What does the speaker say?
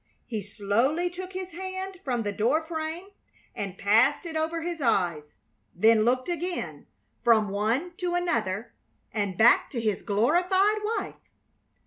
He slowly took his hand from the door frame and passed it over his eyes, then looked again, from one to another, and back to his glorified wife.